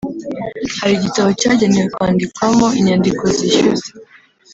Hari igitabo cyagenewe kwandikwamo inyandiko zishyuza